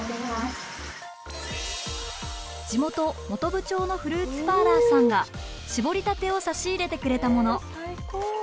地元本部町のフルーツパーラーさんが搾りたてを差し入れてくれたもの。